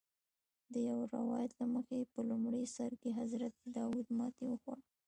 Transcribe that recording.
د یو روایت له مخې په لومړي سر کې حضرت داود ماتې وخوړه.